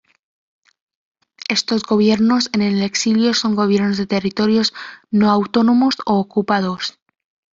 Estos gobiernos en el exilio son gobiernos de territorios no autónomos o ocupados.